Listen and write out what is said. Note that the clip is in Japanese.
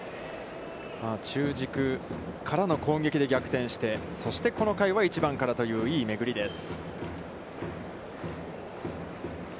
中軸からの攻撃で逆転して、そして、この回は１番からといういいめぐりです。